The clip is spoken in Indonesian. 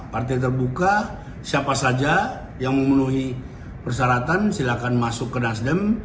partai terbuka siapa saja yang memenuhi persyaratan silakan masuk ke nasdem